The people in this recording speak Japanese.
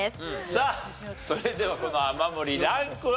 さあそれではこの雨漏りランクは？